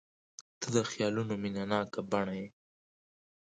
• ته د خیالونو مینهناکه بڼه یې.